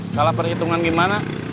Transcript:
salah perhitungan gimana